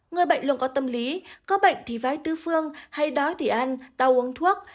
người bệnh luôn có tâm lý có bệnh thì vái tư phương hay đói thì ăn đau uống thuốc